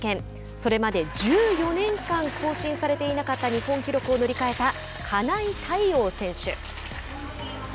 それまで１４年間更新されていなかった日本記録を塗り替えた金井大旺選手。